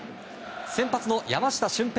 先発の山下舜平